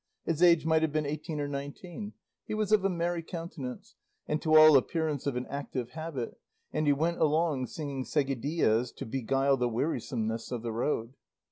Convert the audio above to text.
His age might have been eighteen or nineteen; he was of a merry countenance, and to all appearance of an active habit, and he went along singing seguidillas to beguile the wearisomeness of the road.